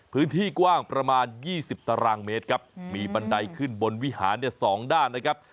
พื้นที่กว้างประมาณ๒๐ตารางเมตรครับมีบันไดขึ้นบนวิหาร๒ด้านนะครับ